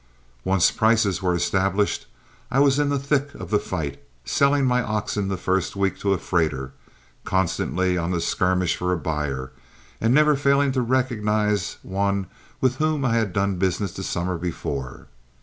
Once prices were established, I was in the thick of the fight, selling my oxen the first week to a freighter, constantly on the skirmish for a buyer, and never failing to recognize one with whom I had done business the summer before.